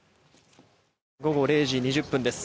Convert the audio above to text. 午後０時２０分です。